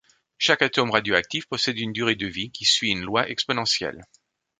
Chaque atome radioactif possède une durée de vie qui suit une loi exponentielle.